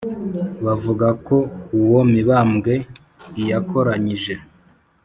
bavuga ko uwo mibambwe i yakoranyije